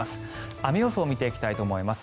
雨予想を見ていきたいと思います。